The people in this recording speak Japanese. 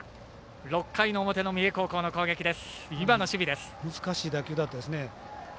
６回の表、三重高校の攻撃です。